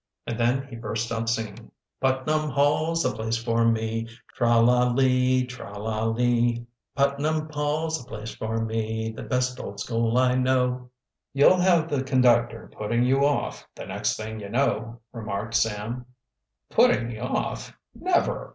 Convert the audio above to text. and then he burst out singing: "Putnam Hall's the place for me! Tra la lee! Tra la lee! Putnam Hall's the place for me! The best old school I know!" "You'll have the conductor putting you off, the next thing you know," remarked Sam. "Putting me off? Never!"